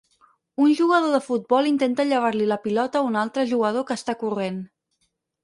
Un jugador de futbol intenta llevar-li la pilota a un altre jugador que està corrent.